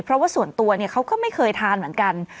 เพราะว่าส่วนตัวเขาก็ไม่เคยทานเหมือนกัน